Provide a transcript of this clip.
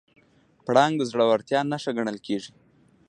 پړانګ د زړورتیا نښه ګڼل کېږي.